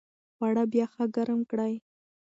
خواړه بیا ښه ګرم کړئ.